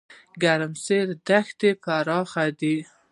ګرمسیر دښتې پراخې دي؟